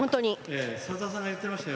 三三さんが言ってましたよ